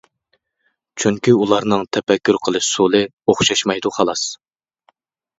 چۈنكى ئۇلارنىڭ تەپەككۇر قىلىش ئۇسۇلى ئوخشىمايدۇ، خالاس.